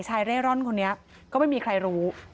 เร่ร่อนคนนี้ก็ไม่มีใครรู้